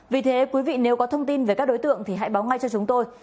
vì thế quý vị nếu có thông tin về các đối tượng thì hãy báo ngay cho chúng tôi